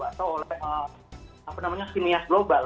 atau oleh apa namanya sineas global